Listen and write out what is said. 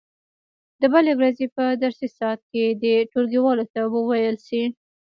د بلې ورځې په درسي ساعت کې دې ټولګیوالو ته وویل شي.